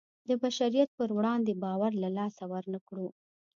د بشریت په وړاندې باور له لاسه ورنکړو.